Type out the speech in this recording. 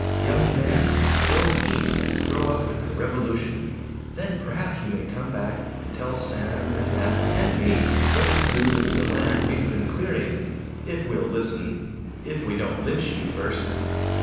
Young man, go East and grow up with the revolution! Then perhaps you may come back and tell Sam and Nat and me what to do with the land we've been clearing if we'll listen if we don't lynch you first!"